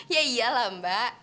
ya iyalah mbak